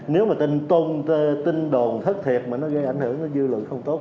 nếu mà tin tôn tin đồn thất thiệt mà nó gây ảnh hưởng dư luận không tốt